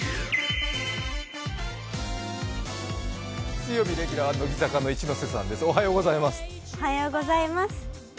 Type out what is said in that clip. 水曜日レギュラーは乃木坂の一ノ瀬さんです。